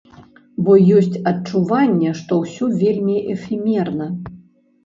Бо ёсць адчуванне, што ўсё вельмі эфемерна.